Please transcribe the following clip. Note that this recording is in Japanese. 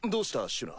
シュナ。